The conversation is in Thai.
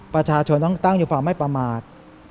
ประชาชนต้องตั้งอยู่ความไม่ประมาท